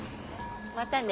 またね。